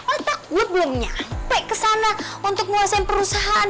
otak gue belum nyampe ke sana untuk nguasain perusahaan